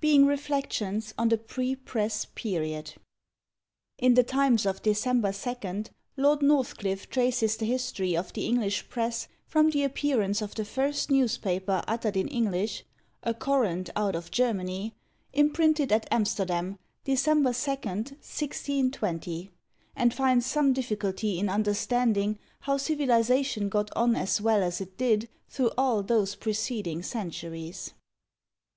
(Being reflections on the pre press period.) [In The Times of December 2nd Lord NORTHCLIFFE traces the history of the English Press from the appearance of the first newspaper uttered in English "A Corrant out of Germany," imprinted at Amsterdam, December 2nd, 1620 and finds some difficulty in understanding how civilisation got on as well as it did through all those preceding centuries.